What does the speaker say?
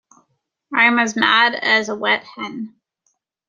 I am as mad as a wet hen.